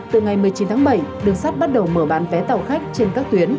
từ ngày một mươi chín tháng bảy đường sắt bắt đầu mở bán vé tàu khách trên các tuyến